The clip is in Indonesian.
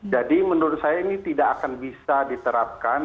jadi menurut saya ini tidak akan bisa diterapkan